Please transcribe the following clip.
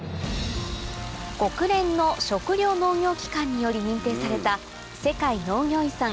国連の食糧農業機関により認定された世界農業遺産